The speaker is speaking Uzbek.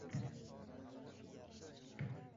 Hazilni yoqtirmayman, pulni cho`zing, dedi kirakash